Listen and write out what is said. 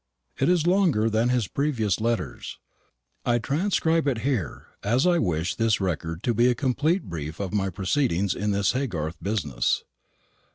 It is longer than his previous letters. I transcribe it here, as I wish this record to be a complete brief of my proceedings in this Haygarth business.